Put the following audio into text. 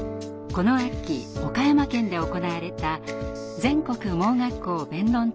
この秋岡山県で行われた全国盲学校弁論大会。